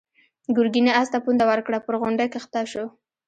ګرګين آس ته پونده ورکړه، پر غونډۍ کښته شو.